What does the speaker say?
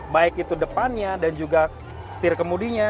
baik itu depannya dan juga setir kemudinya